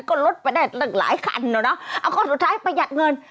ก็ลดไปได้ตั้งหลายคันเขาสุดท้ายประหยัดเงิน